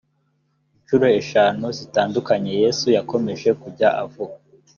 incuro eshanu zitandukanye yesu yakomeje kujya avuga